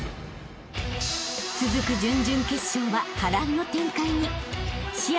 ［続く準々決勝は波乱の展開に］